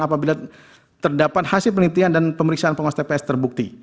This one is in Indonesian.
apabila terdapat hasil penelitian dan pemeriksaan pengawas tps terbukti